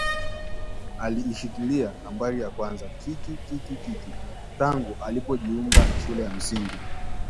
Aliishikilia nambari ya kwanza kikiki tangu alipojiunga na shule ya msingi